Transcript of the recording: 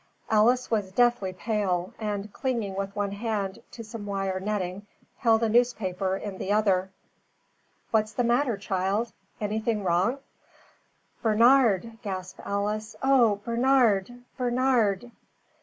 Alice was deathly pale and, clinging with one hand to some wire netting, held a newspaper in the other. "What's the matter, child? Anything wrong?" "Bernard?" gasped Alice. "Oh, Bernard! Bernard!"